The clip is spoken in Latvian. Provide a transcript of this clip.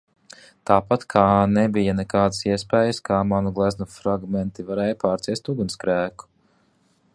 Tāpat kā nebija nekādas iespējas, ka manu gleznu fragmenti varēja pārciest ugunsgrēku?